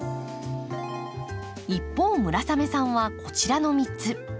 一方村雨さんはこちらの３つ。